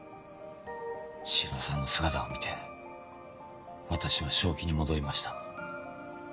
千尋さんの姿を見て私は正気に戻りました。